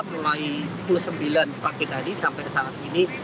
mulai dua puluh sembilan pagi tadi sampai saat ini